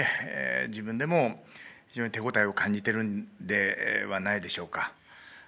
自分でも手応えを感じているんではないでしょうか。